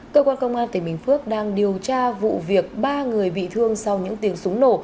cơ quan công an tỉnh bình phước đang điều tra vụ việc ba người bị thương sau những tiếng súng nổ